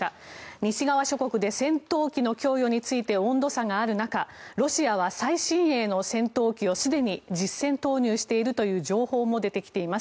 西側諸国で戦闘機の供与について温度差がある中ロシアは最新鋭の戦闘機をすでに実戦投入しているという情報も出てきています。